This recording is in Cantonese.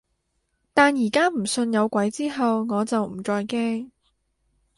但而家唔信有鬼之後，我就唔再驚